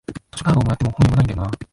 図書カードもらっても本読まないんだよなあ